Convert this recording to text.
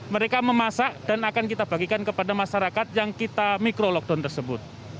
mereka memasak dan akan kita bagikan kepada masyarakat yang kita mikro lockdown tersebut